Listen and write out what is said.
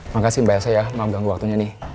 makasih mbak elsa ya mau ganggu waktunya nih